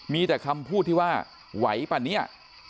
มีแต่คำพูดที่ว่าไหวป่ะเนี่ย